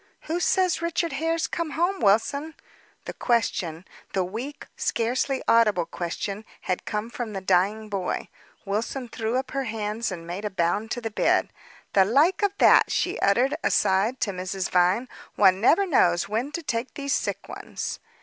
"Who says Richard Hare's come home, Wilson?" The question the weak, scarcely audible question had come from the dying boy. Wilson threw up her hands, and made a bound to the bed. "The like of that!" she uttered, aside to Mrs. Vine. "One never knows when to take these sick ones.